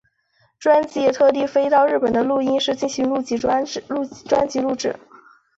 专辑也特地飞到日本的录音室进行专辑录制。